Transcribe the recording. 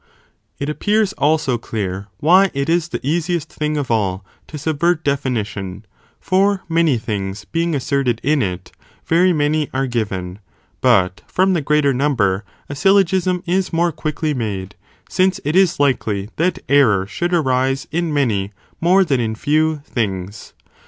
It appears also clear why it is the easiest thing , 1.4 ion of all, to subvert definition, for many things being of all things asserted in it, very many are given;! but from Tree the greater number, a syllogism is more quickly hardly confirm made, since it is likely that error should arise ce in many, more than in few, things.